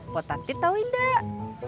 potatit tau tidak